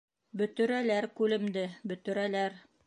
Бөтөрәләр күлемде, бөтөрәләр!